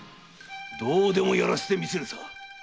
どうでもやらせてみせるさ。